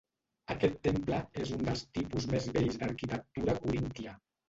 Aquest temple és un dels tipus més bells d'arquitectura coríntia.